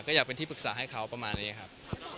ก็อยากเป็นที่ปรึกษาให้เขาประมาณนี้ครับ